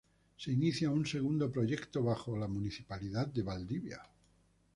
Se inicia un segundo proyecto bajo la Municipalidad de Valdivia.